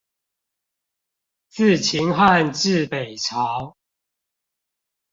自秦漢至北朝